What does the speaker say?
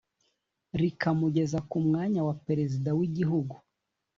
rikamugeza ku mwanya wa perezida w’igihugu